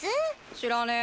知らねえ。